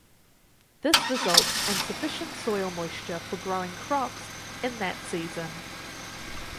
This results in sufficient soil moisture for growing crops in that season.